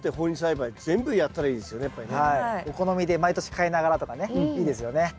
お好みで毎年変えながらとかねいいですよね。